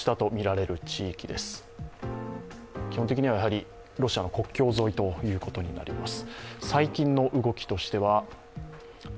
基本的にはロシアの国境沿いということになります。